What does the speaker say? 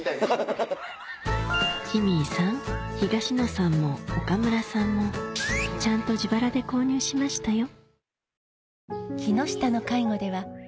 ジミーさん東野さんも岡村さんもちゃんと自腹で購入しましたよ